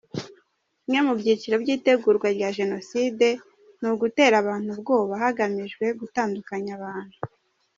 Kimwe mu byiciro by’itegurwa rya Jenoside, ni ugutera abantu ubwoba hagamijwe gutandukanya abantu.